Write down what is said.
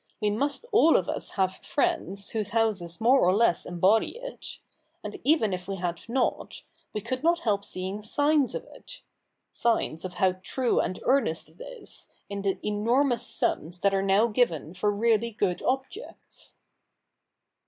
We must all of us have friends whose houses more or less embody it. And even if we had not, we could not help seeing signs of it — signs of how true and earnest it is, in the enormous sums that are now given for really good objects.'